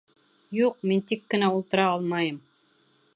Юҡ, мин тик кенә ултыра алмайым.